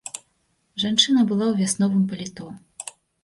Жанчына была ў вясновым паліто.